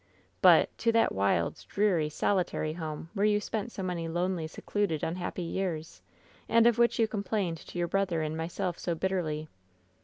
" 'But — to that wild, dreary, solitary home, where you spent so many lonely, secluded, unhappy years. And of which you complained to your brother and myself so bitterly?''